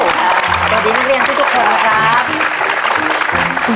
สวัสดีนักเรียนทุกคนนะครับ